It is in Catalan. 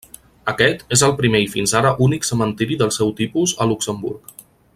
Aquest és el primer i fins ara únic cementiri del seu tipus a Luxemburg.